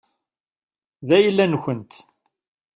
D ayla-nkent.